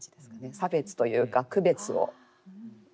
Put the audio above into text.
差別というか区別を。